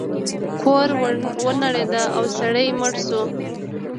کور ونړید او سړی مړ شو.